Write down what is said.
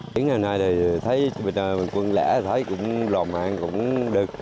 hiện nay thì thấy bình thường quân lẽ thấy cũng lò mạng cũng được